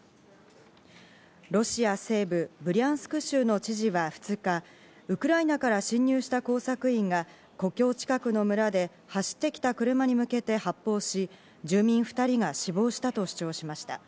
ロシア西部ブリャンスク州の知事は２日、ウクライナから侵入した工作員が国境近くの村で走ってきた車に向けて発砲し、住民２人が死亡したと主張しました。